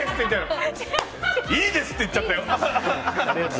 いいですって言っちゃったよ。